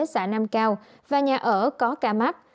xã nam cao và nhà ở có ca mắc